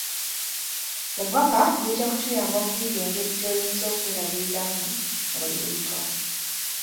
Obubaka bujja kukuyamba okuyiga engeri gy'oyinza okwerabiriramu ng'oli lubuto.